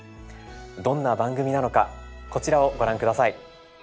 どんな番組なのかこちらをご覧下さい。